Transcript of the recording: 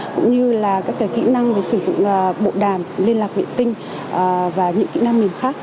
cũng như là các kỹ năng về sử dụng bộ đàm liên lạc vệ tinh và những kỹ năng mềm khác